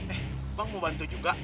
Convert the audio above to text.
eh bang mau bantu juga